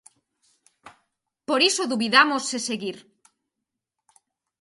Por iso dubidamos se seguir.